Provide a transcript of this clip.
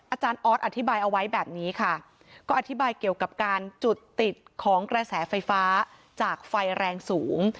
อาจารย์ออสอธิบายเอาไว้แบบนี้ค่ะก็อธิบายเกี่ยวกับการจุดติดของกระแสไฟฟ้าจากไฟแรงสูง